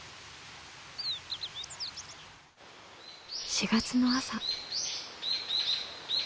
４月の朝。